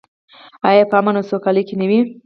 آیا په امن او سوکالۍ کې نه وي؟